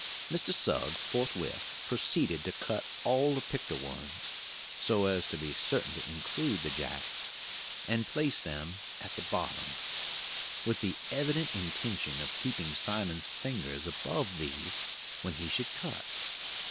Mr. Suggs forthwith proceeded to cut all the picter ones, so as to be certain to include the Jacks, and place them at the bottom, with the evident intention of keeping Simon's fingers above these when he should cut.